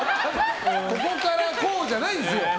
ここからこうじゃないんですよ！